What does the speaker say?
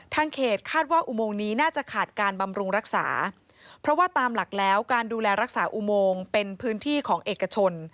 เขตคาดว่าอุโมงนี้น่าจะขาดการบำรุงรักษาเพราะว่าตามหลักแล้วการดูแลรักษาอุโมงเป็นพื้นที่ของเอกชน